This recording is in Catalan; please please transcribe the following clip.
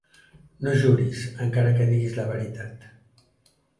No juris, encara que diguis la veritat.